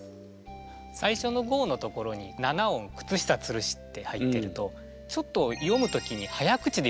最初の「五」のところに七音「くつ下吊るし」って入ってるとちょっと詠む時に早口で詠むんですね。